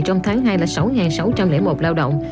trong tháng hai là sáu sáu trăm linh một lao động